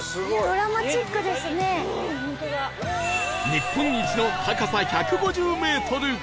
日本一の高さ１５０メートル